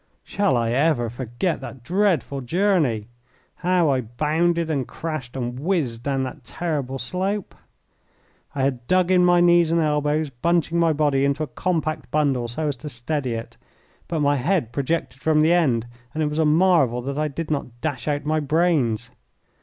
Shall I ever forget that dreadful journey how I bounded and crashed and whizzed down that terrible slope? I had dug in my knees and elbows, bunching my body into a compact bundle so as to steady it; but my head projected from the end, and it was a marvel that I did not dash out my brains.